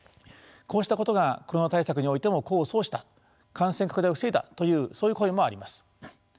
こうしたことがコロナ対策においても功を奏した感染拡大を防いだというそういう声もあります。